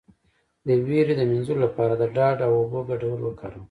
د ویرې د مینځلو لپاره د ډاډ او اوبو ګډول وکاروئ